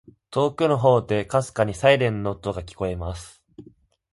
•遠くの方で、微かにサイレンの音が聞こえます。